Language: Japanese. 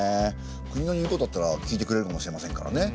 国の言うことだったら聞いてくれるかもしれませんからね。